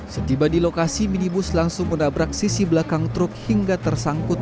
setiba di lokasi minibus langsung menabrak sisi belakang truk hingga tersangkut